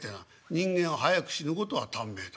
「人間早く死ぬことは短命だ」。